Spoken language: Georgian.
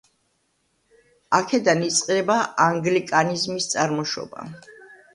აქედან იწყება ანგლიკანიზმის წარმოშობა.